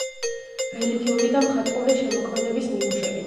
რელიგიური და მხატვრული შემოქმედების ნიმუშები.